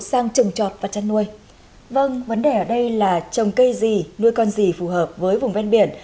vâng vấn đề ở đây là trồng cây gì nuôi con gì phù hợp với vùng ven biển